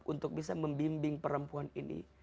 untuk bisa membimbing perempuan ini